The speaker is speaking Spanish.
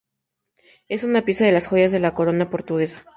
Es una pieza de las Joyas de la Corona Portuguesa.